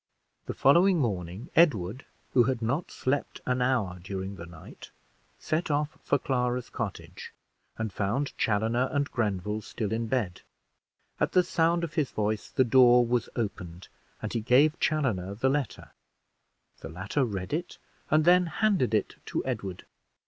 The following morning, Edward, who had not slept an hour during the night, set off for Clara's cottage, and found Chaloner and Grenville still in bed. At the sound of his voice the door was opened, and he gave Chaloner the letter; the latter read it and then handed it to Edward.